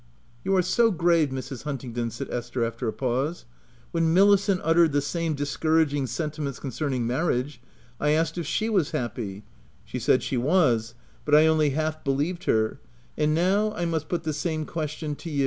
" You are so grave, Mrs. Huntingdon," said Esther after a pause. " When Milicent uttered the same discouraging sentiments concerning marriage, I asked if she was happy : she said she was ; but I only half believed her ; and now I must put the same question to you."